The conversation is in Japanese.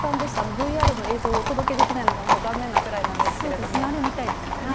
ＶＲの映像をお届けできないのが残念なくらいですがあれを見たいですよね。